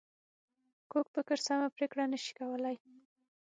کوږ فکر سمه پرېکړه نه شي کولای